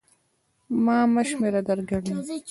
ما مه شمېره در ګډ یم